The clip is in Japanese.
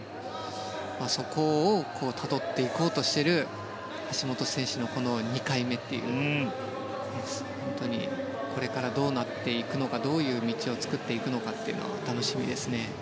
そこをたどっていこうとしている橋本選手の２回目という本当にこれからどうなっていくのかどういう道を作っていくのか楽しみですね。